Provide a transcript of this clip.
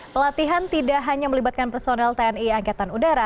pelatihan tidak hanya melibatkan personel tni angkatan udara